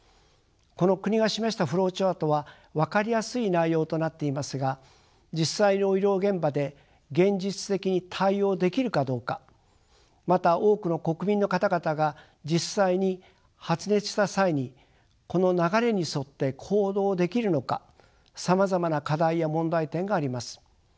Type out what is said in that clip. この国が示したフローチャートは分かりやすい内容となっていますが実際の医療現場で現実的に対応できるかどうかまた多くの国民の方々が実際に発熱した際にこの流れに沿って行動できるのかさまざまな課題や問題点があります。